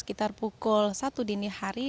sekitar pukul satu dini hari